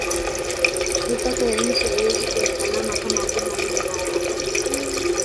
Mipaka ya nchi haiwezi kuwa salama kama hakuna Umeme wa uhakika